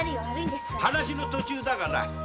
話の途中だが。